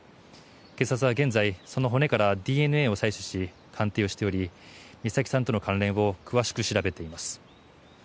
警察は現在、その骨からＤＮＡを採取し鑑定をしており美咲さんとの関連を詳しく調べています。